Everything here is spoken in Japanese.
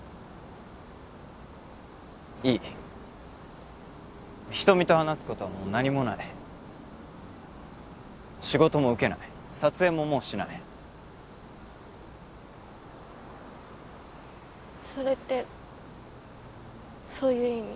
いいひとみと話すことはもう何もない仕事も受けない撮影ももうしないそれってそういう意味？